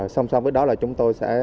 song song với đó là chúng tôi sẽ